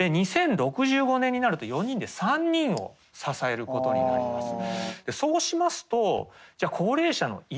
で２０６５年になると４人で３人を支えることになります。